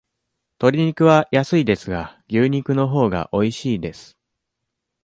とり肉は安いですが、牛肉のほうがおいしいです。